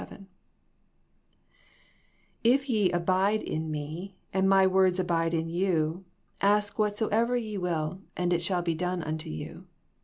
^^ If ye abide in 31e, and My words abide in you, ask whatsoever ye will, and it shall be done unto you.